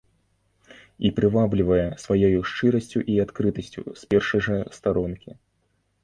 І прываблівае сваёю шчырасцю і адкрытасцю з першай жа старонкі.